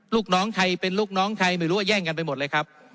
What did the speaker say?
ลูกน้องใครเป็นลูกน้องใครไม่รู้ว่าแย่งกันไปหมดเลยครับ